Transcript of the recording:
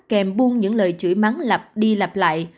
kèm buông những lời chửi mắng lập đi lập lại